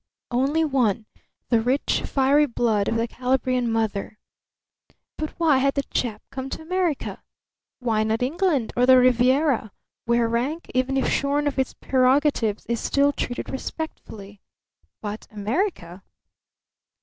Only one the rich, fiery blood of the Calabrian mother. But why had the chap come to America? Why not England or the Riviera, where rank, even if shorn of its prerogatives, is still treated respectfully? But America!